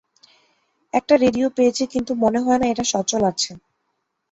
একটা রেডিও পেয়েছি কিন্তু মনে হয় না এটা সচল আছে।